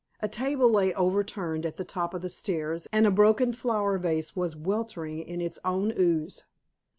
A table lay overturned at the top of the stairs, and a broken flower vase was weltering in its own ooze.